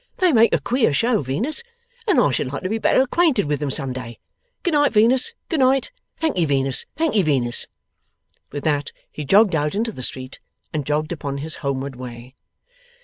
'They make a queer show, Venus, and I should like to be better acquainted with them some day. Good night, Venus, good night! Thankee, Venus, thankee, Venus!' With that he jogged out into the street, and jogged upon his homeward way.